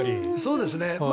そうですね。